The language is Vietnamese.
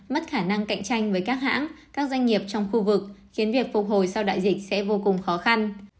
mất khả năng cạnh tranh với các hãng các doanh nghiệp trong khu vực khiến việc phục hồi sau đại dịch sẽ vô cùng khó khăn